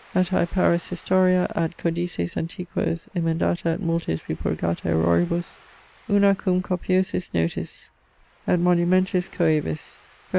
Matthaei Paris Historia, ad codices antiquos emendata et multis repurgata erroribus, una cum copiosis notis et monumentis coaevis: fol.